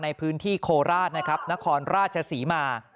ในพื้นที่โคราชนะครับนครราชศรีมา